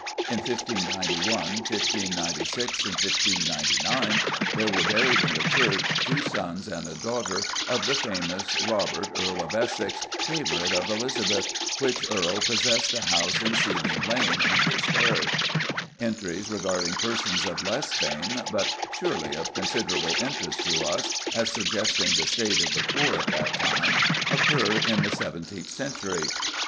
In 1591, 1596, and 1599 there were buried in the church two sons and a daughter of the famous Robert, Earl of Essex, favourite of Elizabeth, which Earl "possessed a house in Seething Lane, in this parish." Entries regarding persons of less fame, but surely of considerable interest to us as suggesting the state of the poor at that time, occur in the seventeenth century.